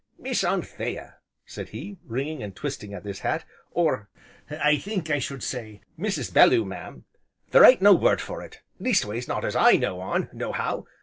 "Miss Anthea," said he, wringing and twisting at his hat, "or I think I should say, Mrs. Belloo mam, there ain't no word for it! least ways not as I know on, nohow.